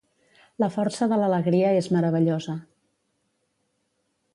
La força de l'alegria és meravellosa.